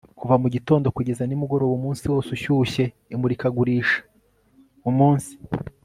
kuva mu gitondo kugeza nimugoroba, umunsi wose ushyushye imurikagurisha-umunsi